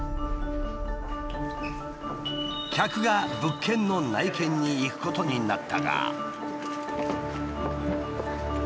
客が物件の内見に行くことになったが。